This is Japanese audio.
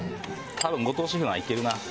多分後藤シェフならいけるな。